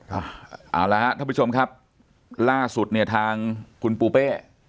เอาละฮะท่านผู้ชมครับล่าสุดเนี่ยทางคุณปูเป้